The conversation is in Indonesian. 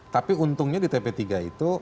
tapi untungnya di tp tiga itu